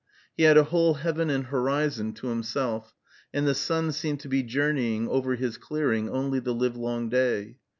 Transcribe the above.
He had a whole heaven and horizon to himself, and the sun seemed to be journeying over his clearing only the livelong day.